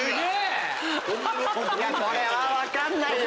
これは分かんないよ！